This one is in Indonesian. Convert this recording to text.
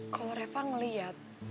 kalau reva ngeliat